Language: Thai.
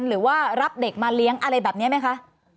หรือว่ารับเด็กมาเลี้ยงอะไรแบบนี้ไหมคะ